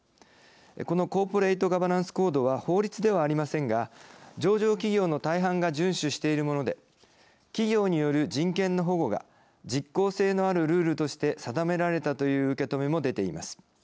このコーポレートガバナンスコードは法律ではありませんが上場企業の大半が順守しているもので企業による人権の保護が実効性のあるルールとして定められたという受け止めも出ています。